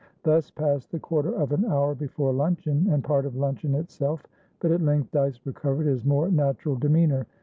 Thus passed the quarter of an hour before luncheon, and part of luncheon itself; but at length Dyce recovered his more natural demeanour.